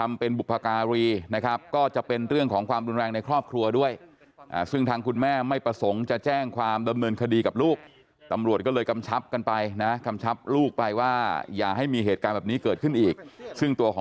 ไม่เคยเห็นเป็นแบบนี้ค่ะ